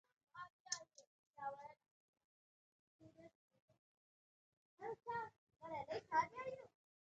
افغانستان د خاورې په برخه کې له نړیوالو بنسټونو سره دی.